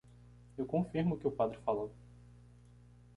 Eu confirmo o que o padre falou.